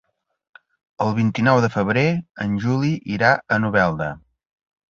El vint-i-nou de febrer en Juli irà a Novelda.